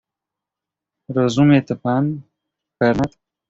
"Rozumie to pan, Pernat?"